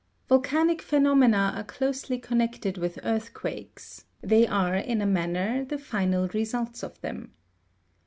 Volcanic pheno mena are closely connected with earthquakes; they are, in a manner, the final results of them.